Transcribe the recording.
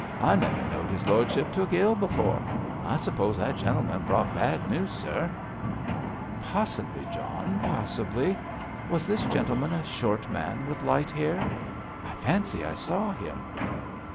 I never knowed his lordship took ill before. I suppose that gentleman brought bad news, sir.' 'Possibly, John, possibly. Was this gentleman a short man with light hair? I fancy I saw him.'